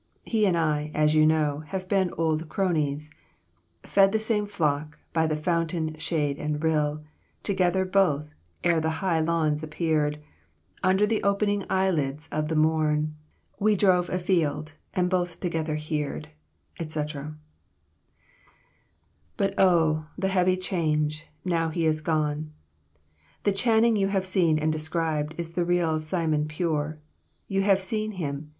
He and I, as you know, have been old cronies, "'Fed the same flock, by fountain, shade, and rill, Together both, ere the high lawns appeared Under the opening eyelids of the morn, We drove afield, and both together heared,' etc. "'But O, the heavy change,' now he is gone. The Channing you have seen and described is the real Simon Pure. You have seen him.